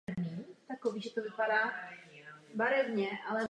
Hovořila hebrejsky a česky.